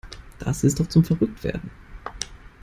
Das ist doch zum verrückt werden.